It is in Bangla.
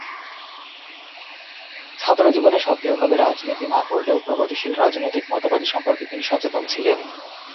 ছাত্র জীবনে সক্রিয়ভাবে রাজনীতি না করলেও প্রগতিশীল রাজনৈতিক মতবাদ সম্পর্কে তিনি সচেতন ছিলেন।